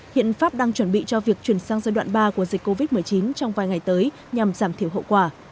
hiện pháp đang chuẩn bị cho việc chuyển sang giai đoạn ba của dịch covid một mươi chín trong vài ngày tới nhằm giảm thiểu hậu quả